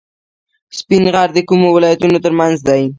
سپین غر د کومو ولایتونو ترمنځ دی؟